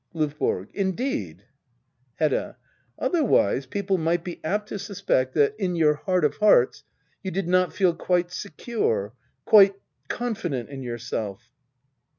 LoVBORO. Indeed } Hedda. Otherwise people might be apt to suspect that — in your heart of hearts — you did not feel quite secure — quite confident in yourself.